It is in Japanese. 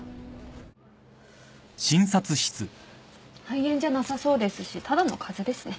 肺炎じゃなさそうですしただの風邪ですね。